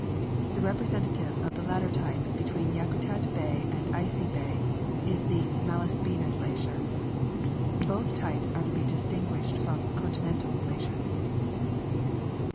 The representative of the latter type between Yakutat bay and Icy bay is the Malaspina glacier. Both types are to be distinguished from Coniinental glaciers.